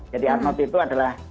jadi arnaut itu adalah